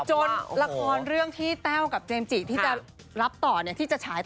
ละครเรื่องที่แต้วกับเจมส์จิที่จะรับต่อที่จะฉายต่อ